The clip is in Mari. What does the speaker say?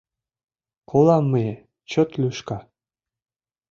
Колам мые, чот лӱшка.